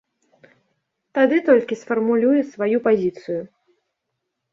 Тады толькі сфармулюе сваю пазіцыю.